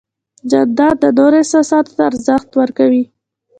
جانداد د نورو احساساتو ته ارزښت ورکوي.